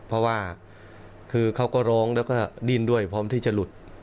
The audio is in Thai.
เพราะว่าคือเขาก็ร้องแล้วก็ดิ้นด้วยพร้อมที่จะหลุด